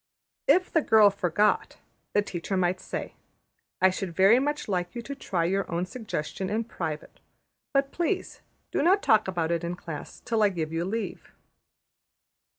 '' If the girl forgot, the teacher might say: ``I should very much like you to try your own suggestion in private, but please do not talk about it in class till I give you leave.''